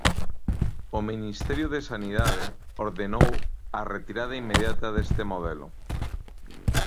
O Ministerio de Sanidade ordenou a retirada inmediata deste modelo.